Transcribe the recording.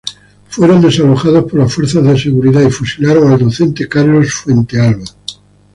Fueron desalojados por las fuerzas de seguridad y fusilaron al docente Carlos Fuentealba.